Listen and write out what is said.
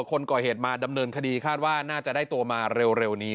คนก่อเหตุมาดำเนินคดีคาดว่าน่าจะได้ตัวมาเร็วนี้